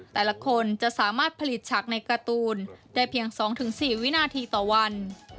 แต่ละคนจะสามารถผลิตฉากในการ์ตูนได้เพียง๒๔วินาทีต่อวัน